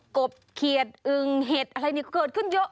กบเขียดอึงเห็ดอะไรนี่เกิดขึ้นเยอะ